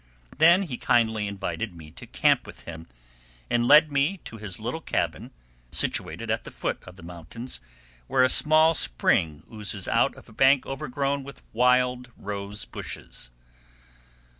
Then he kindly invited me to camp with him, and led me to his little cabin, situated at the foot of the mountains, where a small spring oozes out of a bank overgrown with wild rose bushes.